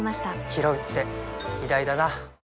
ひろうって偉大だな